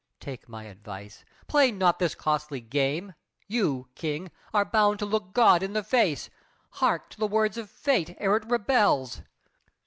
Take my advice: play not this costly game. You, King, are bound to look God in the face, Hark to the words of fate, ere it rebels!